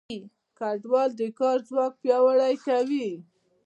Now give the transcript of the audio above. کډوال د کار ځواک پیاوړی کوي.